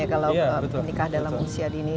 kalau nikah dalam usia dini